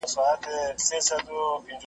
د زلمو ویني بهیږي د بوډا په وینو سور دی .